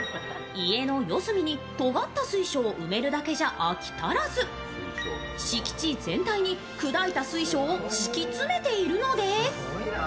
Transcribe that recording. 家の四隅に尖った水晶を埋めるだけじゃ飽き足らず、敷地全体に砕いた水晶を敷き詰めているのです。